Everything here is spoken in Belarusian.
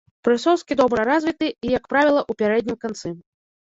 Прысоскі добра развіты і, як правіла, у пярэднім канцы.